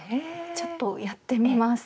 ちょっとやってみます。